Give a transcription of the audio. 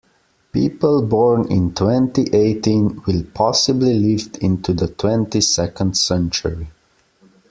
People born in twenty-eighteen will possibly live into the twenty-second century.